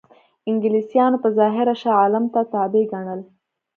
انګلیسانو په ظاهره شاه عالم ته تابع ګڼل.